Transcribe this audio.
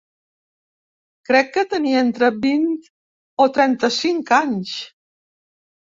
Crec que tenia entre vint o trenta-cinc anys.